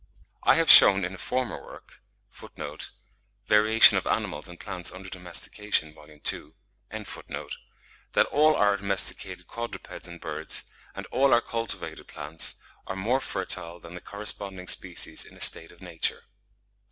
I have shewn in a former work (58. 'Variation of Animals and Plants under Domestication,' vol ii. pp. 111 113, 163.), that all our domesticated quadrupeds and birds, and all our cultivated plants, are more fertile than the corresponding species in a state of nature.